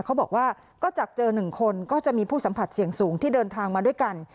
เขาบอกว่าก็จากเจอ๑คนก็จะมีผู้สัมผัสเสี่ยงสูงที่เดินทางมาด้วยกัน